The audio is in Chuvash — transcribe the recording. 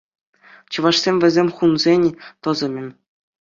Чӑвашсем вӗсем хунсен тӑсӑмӗ.